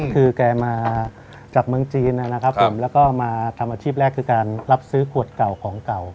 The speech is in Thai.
คือแกมาจากเมืองจีนนะครับผมแล้วก็มาทำอาชีพแรกคือการรับซื้อขวดเก่าของเก่า